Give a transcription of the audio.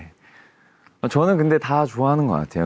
อ๋อตัวตัวต่างแต่ฉันแหวนสู่ทุกคน